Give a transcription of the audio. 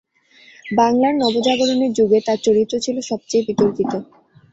বাংলার নবজাগরণের যুগে তার চরিত্র ছিল সবচেয়ে বিতর্কিত।